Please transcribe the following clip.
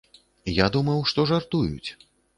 Я думаў, што жартуюць.